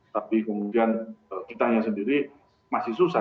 tapi kemudian kitanya sendiri masih susah